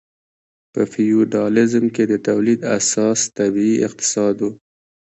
په فیوډالیزم کې د تولید اساس طبیعي اقتصاد و.